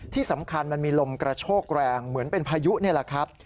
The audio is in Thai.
ที่สำคัญมันมีลมกระโชกแรงเหมือนเป็นพายุเนี่ยแหละครับ